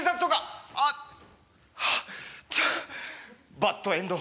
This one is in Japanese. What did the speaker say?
バッドエンド。